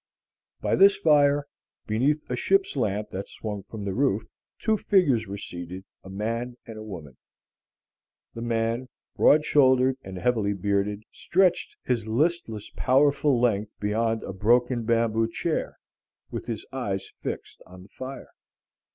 By this fire, beneath a ship's lamp that swung from the roof, two figures were seated, a man and a woman. The man, broad shouldered and heavily bearded, stretched his listless powerful length beyond a broken bamboo chair, with his eyes fixed on the fire.